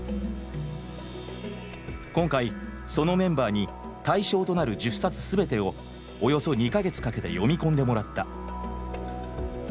今回そのメンバーに対象となる１０冊全てをおよそ２か月かけて読み込んでもらった。